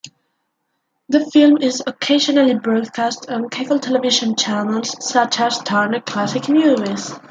The film is occasionally broadcast on cable television channels such as Turner Classic Movies.